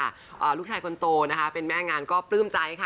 อ่าลูกชายคนโตนะคะเป็นแม่งานก็ปลื้มใจค่ะ